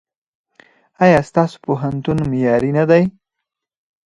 ایا ستاسو پوهنتون معیاري نه دی؟